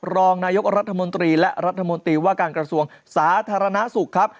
รองนายกรัฐมนตรีและรัฐมนตรีว่าการกระทรวงสาธารณสุขครับ